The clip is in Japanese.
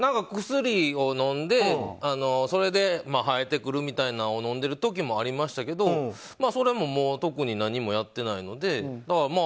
薬を飲んでそれで生えてくるみたいなのを飲んでる時もありましたけどそれも特に何もやってないので。